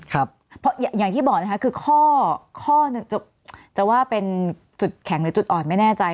ข้อหนึ่งจะว่าเป็นจุดแข็งหรือจุดอ่อนไม่แน่ใจ